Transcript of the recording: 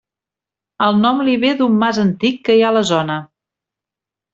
El nom li ve d'un mas antic que hi ha a la zona.